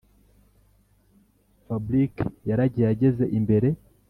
fabric yaragiye ageze imbere